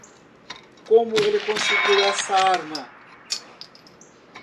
Como ele conseguiu essa arma?